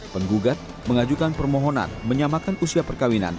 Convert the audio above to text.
penggugat mengajukan permohonan menyamakan usia perkawinan